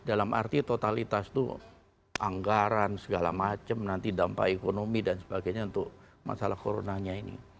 dalam arti totalitas itu anggaran segala macam nanti dampak ekonomi dan sebagainya untuk masalah coronanya ini